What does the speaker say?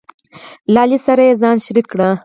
له علي سره یې ځان شریک کړ،